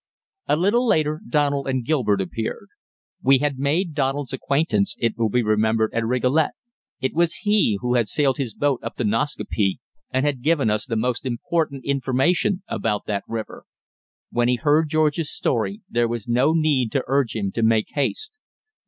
A little later Donald and Gilbert appeared. We had made Donald's acquaintance, it will be remembered, at Rigolet; it was he who had sailed his boat up the Nascaupee and had given us the most information about that river. When he had heard George's story, there was no need to urge him to make haste.